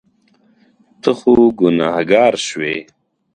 ته خو ګناهګار شوې.